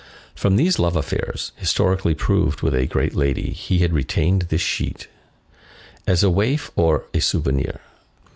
From these love affairs, historically proved, with a great lady, he had retained this sheet. As a waif or a souvenir.